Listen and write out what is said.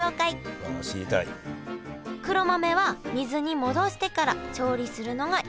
黒豆は水に戻してから調理するのが一般的です。